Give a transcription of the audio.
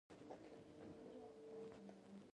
دین، ولسواکي او کپیټالیزم خیالي نظمونه دي.